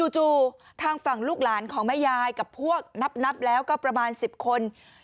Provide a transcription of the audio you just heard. ทางฝั่งลูกหลานของแม่ยายกับพวกนับแล้วก็ประมาณ๑๐คน